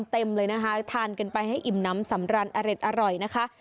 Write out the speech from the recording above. เต็มเลยนะคะทานกันไปให้อิ่มน้ำสำรันอเร็ดอร่อยนะคะ